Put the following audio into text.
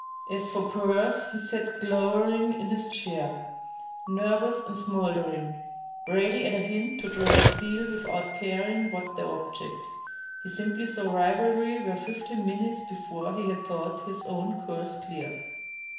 As for Pearse, he sat glowering in his chair, nervous and smoldering; ready at a hint to draw steel without caring what the object. He simply saw rivalry where fifteen minutes before he had thought his own course clear.